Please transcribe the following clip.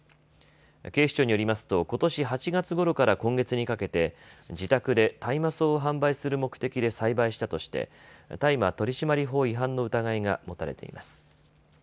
警視庁によりますとことし８月ごろから今月にかけて自宅で大麻草を販売する目的で栽培したとして大麻取締法違反の疑いが持たれています。